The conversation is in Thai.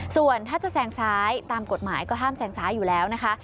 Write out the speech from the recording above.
ส่วนถ้าจะแซงซ้ายตามกฎหมายก็ห้ามแซงซ้ายอยู่แล้วนะคะ